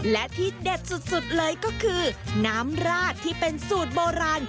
และที่เด็ดสุดเลยก็คือน้ำราดที่เป็นสูตรโบราณ